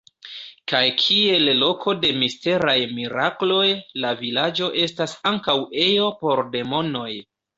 Kaj kiel loko de misteraj mirakloj la vilaĝo estas ankaŭ ejo por demonoj.